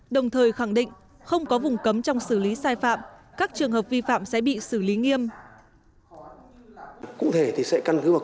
đồng thời khẳng định không có vùng cấm trong xử lý sai phạm các trường hợp vi phạm sẽ bị xử lý nghiêm